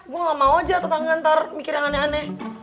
gue gak mau aja tetangga ntar mikir yang aneh aneh